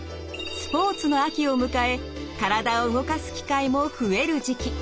スポーツの秋を迎え体を動かす機会も増える時期。